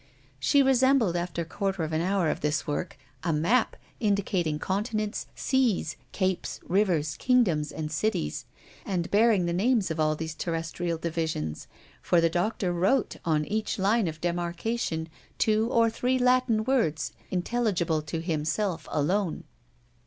She resembled, after a quarter of an hour of this work, a map indicating continents, seas, capes, rivers, kingdoms, and cities, and bearing the names of all these terrestrial divisions, for the doctor wrote on every line of demarcation two or three Latin words intelligible to himself alone.